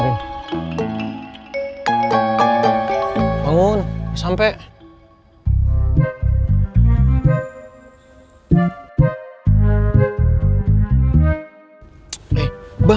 aku mau pergi ke rumah